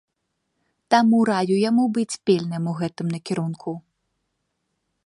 Таму раю яму быць пільным у гэтым накірунку.